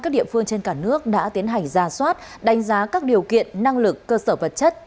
các địa phương trên cả nước đã tiến hành ra soát đánh giá các điều kiện năng lực cơ sở vật chất